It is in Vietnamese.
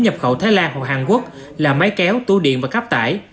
nhập khẩu thái lan hoặc hàn quốc là máy kéo tủ điện và cắp tải